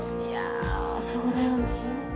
いやあそうだよねえ